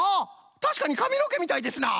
たしかにかみのけみたいですな！